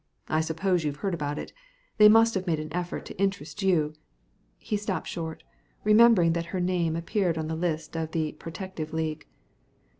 I suppose you've heard about it. They must have made an effort to interest you " he stopped short, remembering that her name appeared on the lists of the "Protective League."